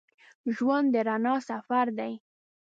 ژوند د رڼا سفر دی.